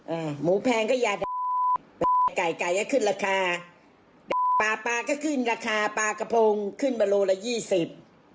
อ่าหมูแพงก็ยาดไก่ไก่ก็ขึ้นราคาปลาปลาก็ขึ้นราคาปลากระโพงขึ้นมาโลละยี่สิบ